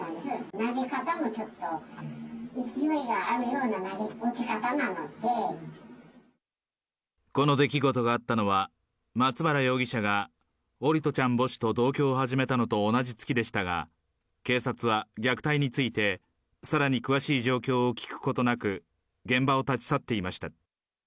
投げ方もちょっと、この出来事があったのは、松原容疑者が桜利斗ちゃん母子と同居を始めたのと同じ月でしたが、警察は虐待について、さらに詳しい状況を聴くことなく、現場を立ち去っていました。